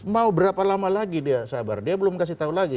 mau berapa lama lagi dia sabar dia belum kasih tahu lagi